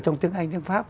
trong tiếng anh tiếng pháp